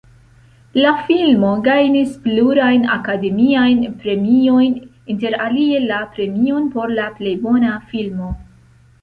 La filmo gajnis plurajn Akademiajn Premiojn, interalie la premion por la plej bona filmo.